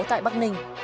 tại bắc ninh